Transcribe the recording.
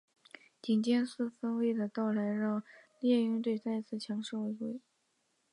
顶尖四分卫的到来让猎鹰队再次强势回归。